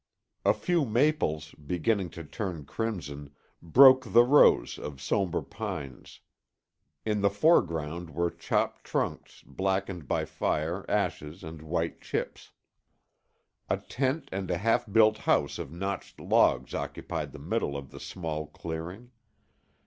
A few maples, beginning to turn crimson, broke the rows of somber pines. In the foreground were chopped trunks, blackened by fire, ashes and white chips. A tent and a half built house of notched logs occupied the middle of the small clearing.